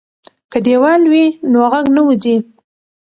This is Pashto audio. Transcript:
که دیوال وي نو غږ نه وځي.